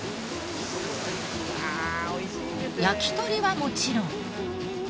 焼鳥はもちろん。